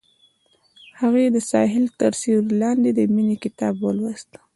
هغې د ساحل تر سیوري لاندې د مینې کتاب ولوست.